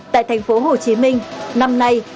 tại thành phố hồ chí minh năm nay